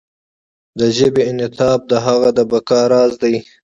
د ژبې انعطاف د هغې د بقا راز دی.